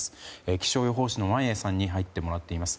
気象予報士の眞家さんに入ってもらってます。